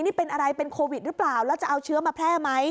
นี่เป็นอะไรเป็นโควิดหรือเปล่าแล้วจะเอาเชื้อมาแพร่ไหม